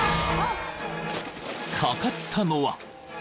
［かかったのは］